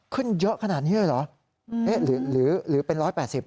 ขึ้นเยอะขนาดนี้เลยเหรอเอ๊ะหรือหรือเป็นร้อยแปดสิบ